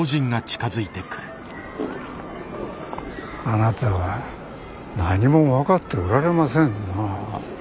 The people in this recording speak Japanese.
あなたは何も分かっておられませんな。